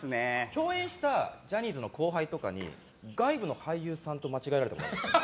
共演したジャニーズの後輩とかに外部の俳優さんと間違えられたことがあります。